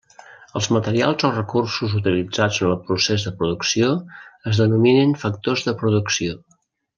Els materials o recursos utilitzats en el procés de producció es denominen factors de producció.